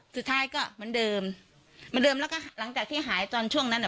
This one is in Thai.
สุดท้ายก็เหมือนเดิมเหมือนเดิมแล้วก็หลังจากที่หายตอนช่วงนั้นอ่ะ